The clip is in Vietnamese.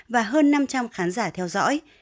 và hơn năm trăm linh khán giả theo dõi